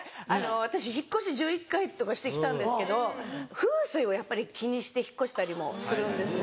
私引っ越し１１回とかしてきたんですけど風水をやっぱり気にして引っ越したりもするんですね。